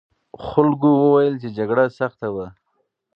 خلکو وویل چې جګړه سخته وه.